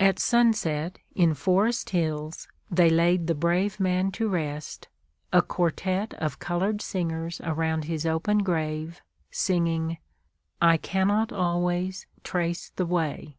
At sunset, in Forest Hills, they laid the brave man to rest, a quartette of colored singers around his open grave, singing, "I cannot always trace the way."